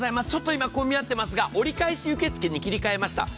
今、混み合っていますが、折り返し受け付けに切り替えました。